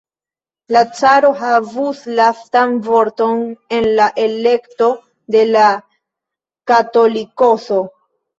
La caro havus lastan vorton en la elekto de la Katolikoso.